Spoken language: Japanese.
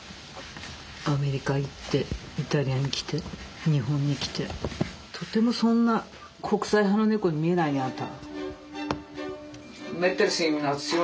アメリカ行ってイタリアに来て日本に来て。とてもそんな国際派の猫に見えないねあんた。